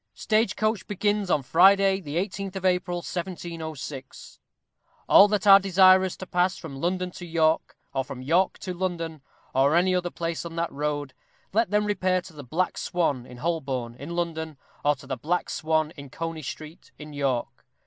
Stage Coach begins on Friday, the 18th of April, 1706. All that are desirous to pass from London to York, or from York to London, or any other place on that road, let them repair to the Black Swan, in Holborn, in London, or to the Black Swan, in Coney Street, in York.